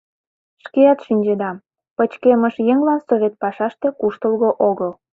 Шкеат шинчеда: пычкемыш еҥлан совет пашаште куштылго огыл...